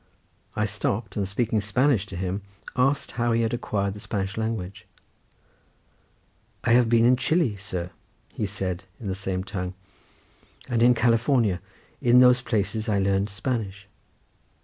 I stopped, and speaking Spanish to him, asked how he had acquired the Spanish language. "I have been in Chili, sir," said he in the same tongue, "and in California, and in those places I learned Spanish."